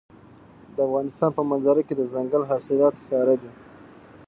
د افغانستان په منظره کې دځنګل حاصلات ښکاره دي.